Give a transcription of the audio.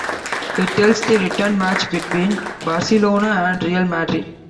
It tells the return match between Barcelona and Real Madrid.